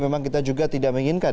memang kita juga tidak menginginkan